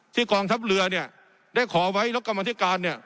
กองทัพเรือเนี่ยได้ขอไว้แล้วกรรมธิการเนี่ย